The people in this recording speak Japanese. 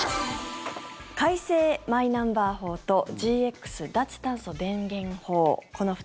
改正マイナンバー法とＧＸ脱炭素電源法。